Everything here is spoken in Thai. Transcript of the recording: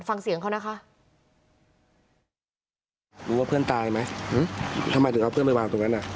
ฟังเสียงเขานะคะรู้ว่าเพื่อนตายไหมอืมทำไมถึงเอาเพื่อนไปวางตรงนั้นอ่ะ